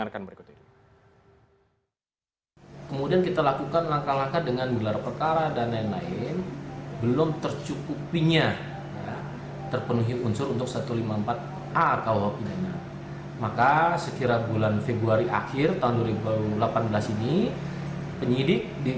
kita dengarkan berikut ini